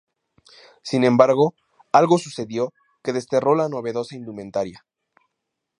Sin embargo, algo sucedió que desterró la novedosa indumentaria.